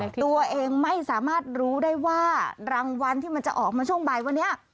ตัวเองไม่สามารถรู้ได้ว่ารางวัลที่มันจะออกมาช่วงบ่ายวันนี้